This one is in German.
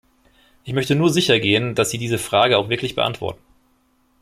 Ich möchte nur sichergehen, dass Sie diese Frage auch wirklich beantworten.